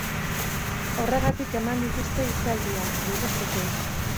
Horregatik eman dituzte hitzaldiak, diru truke.